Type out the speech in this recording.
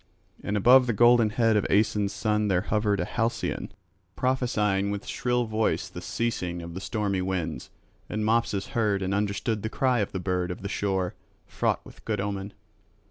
And above the golden head of Aeson's son there hovered a halcyon prophesying with shrill voice the ceasing of the stormy winds; and Mopsus heard and understood the cry of the bird of the shore, fraught with good omen.